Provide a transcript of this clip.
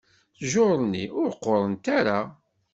Ttjur-nni ur qqurent ara.